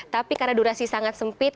tapi karena durasi sangat sempit